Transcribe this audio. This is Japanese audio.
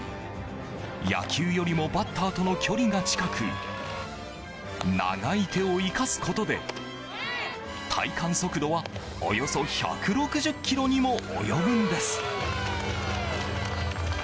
野球よりもバッターとの距離が近く長い手を生かすことで体感速度はおよそ１６０キロにも及ぶんです。